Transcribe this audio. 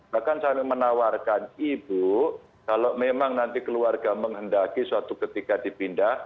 bahkan sampai menawarkan ibu kalau memang nanti keluarga menghendaki suatu ketika dipindah